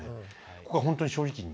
ここは本当に正直に。